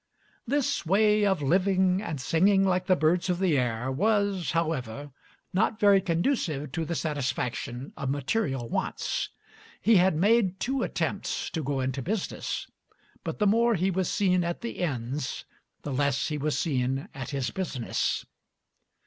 This way of living and singing like the birds of the air was, however, not very conducive to the satisfaction of material wants. He had made two attempts to go into business, but the more he was seen at the inns, the less he was seen at his business.